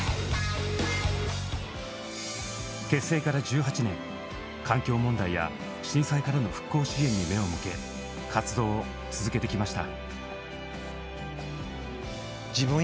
結成から１８年環境問題や震災からの復興支援に目を向け活動を続けてきました。